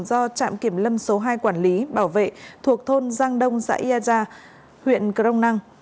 do trạm kiểm lâm số hai quản lý bảo vệ thuộc thôn giang đông xã yà gia huyện crong năng